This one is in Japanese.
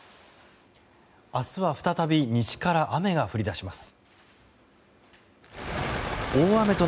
明日は再び西から雨が降り出します。